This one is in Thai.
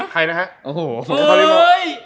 ใครนะครับ